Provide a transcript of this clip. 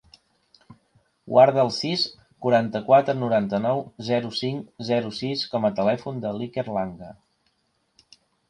Guarda el sis, quaranta-quatre, noranta-nou, zero, cinc, zero, sis com a telèfon de l'Iker Langa.